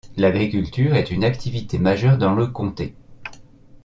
L'agriculture est une activité majeure dans le comté.